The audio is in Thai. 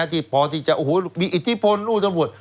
ที่พอที่จะโอ้โหมีอิทธิพลลูกตำรวจ